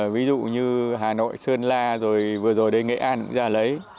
ví dụ như hà nội sơn la rồi vừa rồi đây nghệ an cũng ra lấy